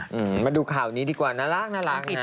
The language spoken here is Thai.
มาดูข่าวนี้ดีกว่าน่ารักนะ